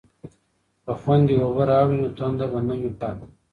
که خویندې اوبه راوړي نو تنده به نه وي پاتې.